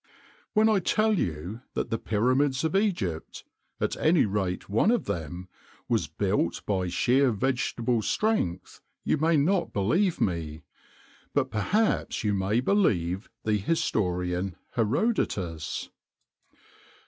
When I tell you that the Pyramids of Egypt, at any rate one of them, was built by sheer vegetable strength, you may not believe me, but perhaps you may believe the historian Herodotus.